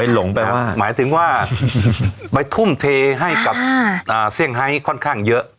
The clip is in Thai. หมายถึงว่าไปทุ่มเทให้กับเซี่ยงไฮค่อนข้างเยอะ